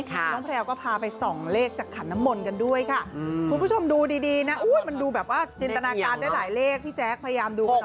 น้องแพลวก็พาไปส่องเลขจากขันน้ำมนต์กันด้วยค่ะคุณผู้ชมดูดีนะมันดูแบบว่าจินตนาการได้หลายเลขพี่แจ๊คพยายามดูค่ะ